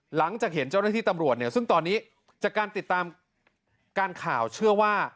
หลังจากเห็นเจ้าหน้าที่ตำรวจเนี่ยซึ่งตอนนี้จากการติดตามการข่าวเชื่อว่า